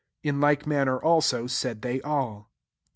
'' In like manner also, said they all.